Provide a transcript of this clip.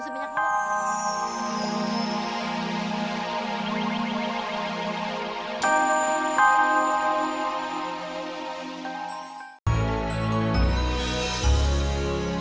nanti nggak di sini